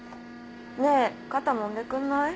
ねえ肩もんでくんない？